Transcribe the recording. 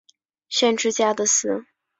县治加的斯。